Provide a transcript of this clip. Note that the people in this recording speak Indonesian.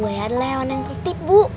buaya adalah hewan yang tertib bu